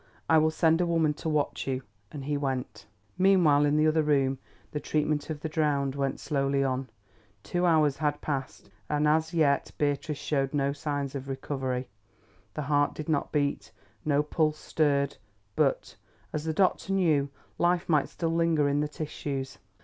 I will send a woman to watch you," and he went. Meanwhile in the other room the treatment of the drowned went slowly on. Two hours had passed, and as yet Beatrice showed no signs of recovery. The heart did not beat, no pulse stirred; but, as the doctor knew, life might still linger in the tissues.